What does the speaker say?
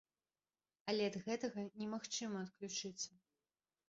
Але ад гэтага немагчыма адключыцца.